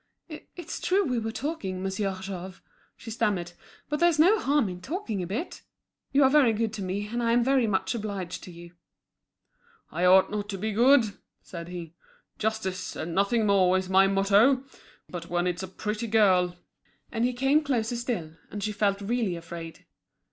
"It's true we were talking, Monsieur Jouve," she stammered, "but there's no harm in talking a bit. You are very good to me, and I'm very much obliged to you." "I ought not to be good," said he. "Justice, and nothing more, is my motto. But when it's a pretty girl—" And he came closer still, and she felt really afraid.